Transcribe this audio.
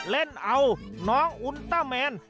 เล่นเอาน้องอุลต้าแมน